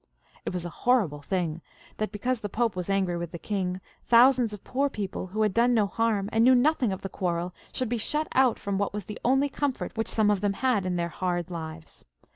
Jt was a horrible thing, that because the Pope was angry with the king, thousands of poor people who had done no harm, and knew nothing of the quarrel, should be shut out from what was the only comfort which some of them had in their hard lives.